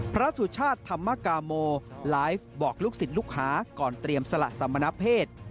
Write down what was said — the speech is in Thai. สุชาติธรรมกาโมไลฟ์บอกลูกศิษย์ลูกหาก่อนเตรียมสละสมณเพศ